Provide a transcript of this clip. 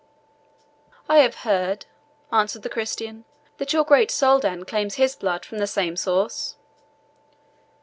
"I have heard," answered the Christian, "that your great Soldan claims his blood from the same source?"